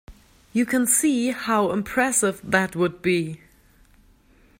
You can see how impressive that would be.